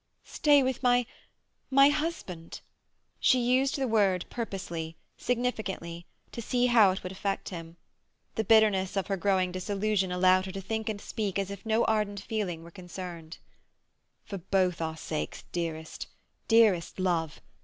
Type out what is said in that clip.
"Stay with my—my husband?" She used the word purposely, significantly, to see how it would affect him. The bitterness of her growing disillusion allowed her to think and speak as if no ardent feeling were concerned. "For both our sakes, dearest, dearest love!